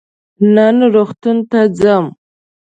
نن روغتون ته ځم.